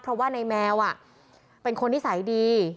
เพราะว่าในแมวเป็นคนนิสัยดี